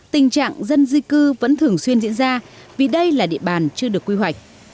tình trạng dân di cư vẫn thường xuyên diễn ra vì đây là địa bàn chưa được quy hoạch